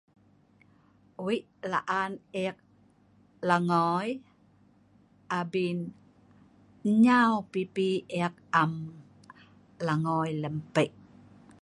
We’ik laan e’ik langoi. Abin enyau pipi e’ik am langoi lem pe’ik